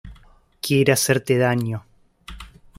Quiere hacerte daño.